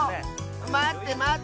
まってまって！